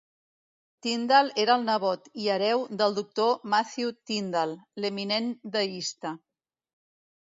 Tindal era el nebot i hereu del Doctor Matthew Tindal, l'eminent deista.